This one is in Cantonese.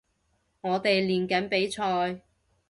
我哋練緊比賽